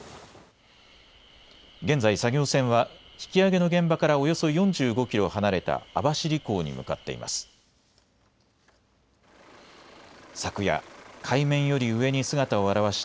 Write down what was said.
現在、作業船は引き揚げの現場からおよそ４５キロ離れた網走港に向かっています。